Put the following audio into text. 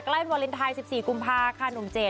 ใกล้วาเลนไทย๑๔กุมภาค่ะ